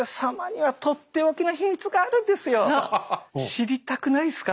知りたくないっすか？